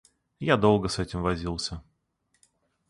Я долго с этим возился.